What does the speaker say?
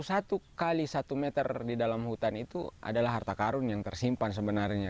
satu x satu meter di dalam hutan itu adalah harta karun yang tersimpan sebenarnya